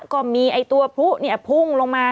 ก็มีตัวพลุเนี่ยพุ่งลงมา